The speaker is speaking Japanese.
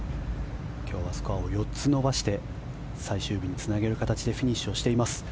今日はスコアを４つ伸ばして最終日につなげる形でフィニッシュをしています。